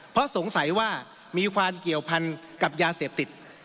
เพราะสงสัยว่ามีความเกี่ยวพันกับยาเสพติด